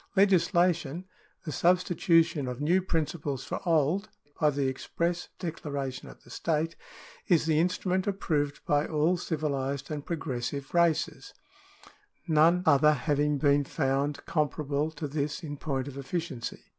Legislation — the substitution of new principles for old by the express declara tion of the state — is the instrument approved by all civilised and progressive races, none other having been found com parable to this in point of efficiency.